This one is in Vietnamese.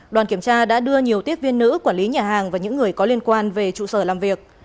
đoàn kiểm tra đã đưa nhiều tiếp viên nữ quản lý nhà hàng và những người có liên quan về trụ sở làm việc